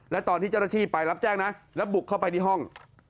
และตอนที่เจ้าหน้าที่ไปรับแจ้งนะแล้วบุกเข้าไปในห้อง